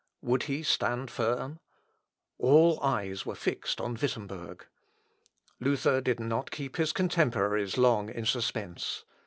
Would he stand firm? All eyes were fixed on Wittemberg. Luther did not keep his contemporaries long in suspense.